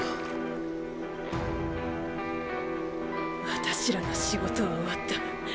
私らの仕事は終わった。